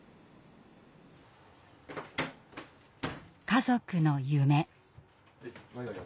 家族の夢。